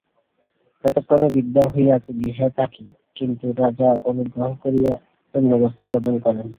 এক্ষণে বৃদ্ধা হইয়াছি, গৃহে থাকি, কিন্তু রাজা অনুগ্রহ করিয়া অন্ন বস্ত্র প্রদান করেন।